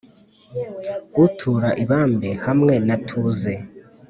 utura i bambe hamwe na tuze